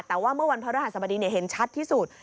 แต่ว่าเมื่อวันพระรหัสบดีเห็นชัดที่สุด